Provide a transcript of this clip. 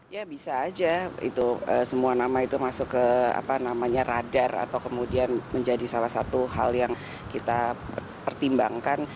ya bisa aja itu semua nama itu masuk ke radar atau kemudian menjadi salah satu hal yang kita pertimbangkan